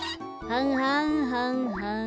はんはんはんはん。